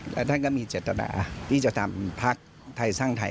แล้วท่านก็มีเจตนาที่จะทำพักไทยสร้างไทย